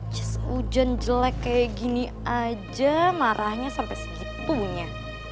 jas hujan jelek kayak gini aja marahnya sampe segitunya